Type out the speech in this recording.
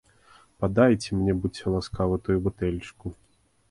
Падайце мне, будзьце ласкавы, тую бутэлечку.